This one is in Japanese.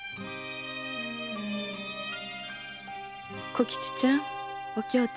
小吉ちゃんお京ちゃん